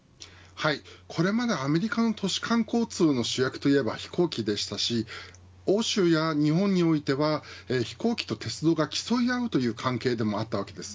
これまでアメリカの都市間交通の主役といえば飛行機でしたし欧州や日本においては飛行機と鉄道が競い合うという関係でもあったわけです。